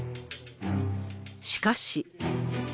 しかし。